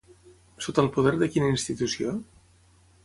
Sota el poder de quina institució?